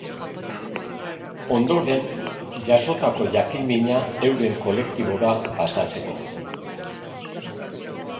Ondoren, jasotako jakin-mina euren kolektibora pasatzeko.